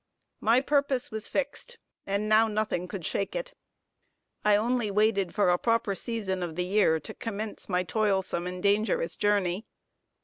My purpose was fixed, and now nothing could shake it. I only waited for a proper season of the year to commence my toilsome and dangerous journey.